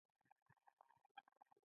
خولۍ د ادب ښوونې توک دی.